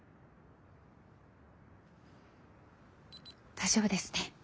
大丈夫ですね。